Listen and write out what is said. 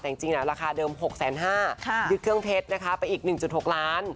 แต่จริงราคาเดิม๖๕๐๐บาทยึดเครื่องเพชรนะคะไปอีก๑๖ล้าน